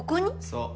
そう。